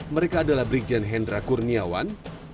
mereka adalah brigjen hendra kurniawan